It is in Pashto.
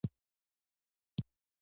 په درنښت اغلې افضل